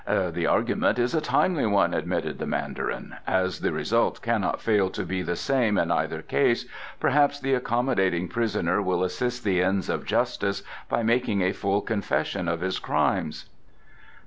"The argument is a timely one," admitted the Mandarin. "As the result cannot fail to be the same in either case, perhaps the accommodating prisoner will assist the ends of justice by making a full confession of his crimes?"